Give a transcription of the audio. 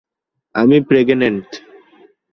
আমি প্রেগ্নেন্ট।"